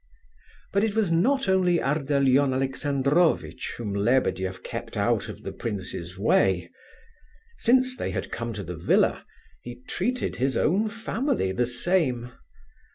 But it was not only Ardalion Alexandrovitch whom Lebedeff kept out of the prince's way. Since they had come to the villa, he treated his own family the same.